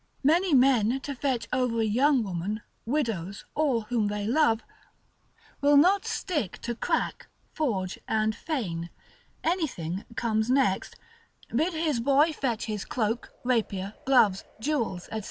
Many men to fetch over a young woman, widows, or whom they love, will not stick to crack, forge and feign any thing comes next, bid his boy fetch his cloak, rapier, gloves, jewels, &c.